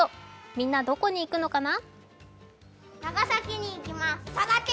みんな、どこに行くのかな？